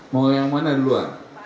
mau yang mana dulu ya